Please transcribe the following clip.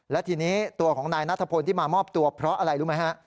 และทีนี้ตัวของนายนัทพลที่มามอบตัวเพราะอะไรรู้ไหมฮะ